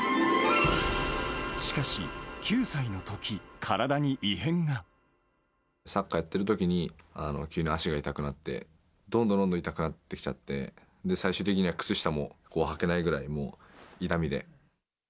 しかし、サッカーやってるときに、急に足が痛くなって、どんどんどんどん痛くなってきちゃって、最終的には靴下もはけないぐらいのもう、痛みで。